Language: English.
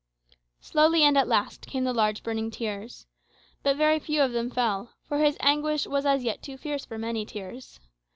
Slowly and at last came the large burning tears. But very few of them fell; for his anguish was as yet too fierce for many tears.